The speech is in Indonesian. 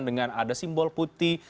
dengan ada simbol putih